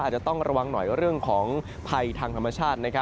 อาจจะต้องระวังหน่อยเรื่องของภัยทางธรรมชาติ